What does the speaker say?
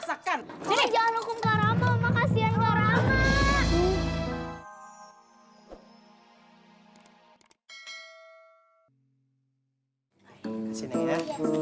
tukang sulap gitu